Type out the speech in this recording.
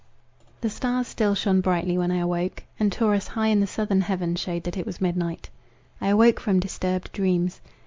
The stars still shone brightly when I awoke, and Taurus high in the southern heaven shewed that it was midnight. I awoke from disturbed dreams.